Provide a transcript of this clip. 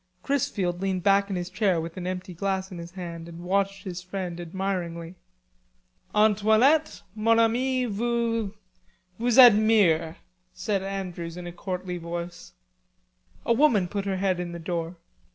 Chrisfield leaned back in his chair with an empty glass in his hand and watched his friend admiringly. "Antoinette, mon ami vous... vous admire," said Andrews in a courtly voice. A woman put her head in the door.